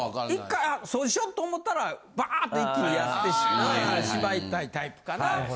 １回掃除しようと思ったらバーって一気にやってしまいたいタイプかな？